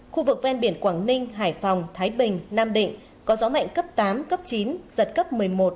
khu vực ven biển quảng ninh hải phòng thái bình nam định có gió mạnh cấp tám cấp chín giật cấp một mươi một một mươi hai